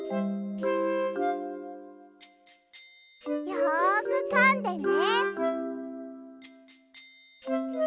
よくかんでね。